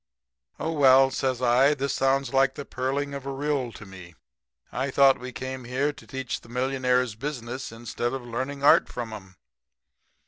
"'Oh, well,' says I, 'this sounds like the purling of a rill to me. I thought we came here to teach the millionaires business, instead of learning art from 'em?'